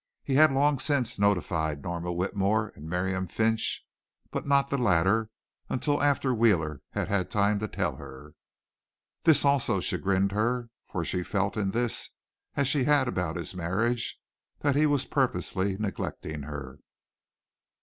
He had long since notified Norma Whitmore and Miriam Finch, but not the latter until after Wheeler had had time to tell her. This also chagrined her, for she felt in this as she had about his marriage, that he was purposely neglecting her.